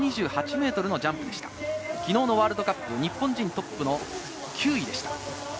昨日のワールドカップ、日本人トップの９位でした。